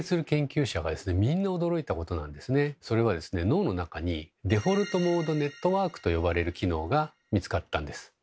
脳の中に「デフォルトモードネットワーク」と呼ばれる機能が見つかったんです。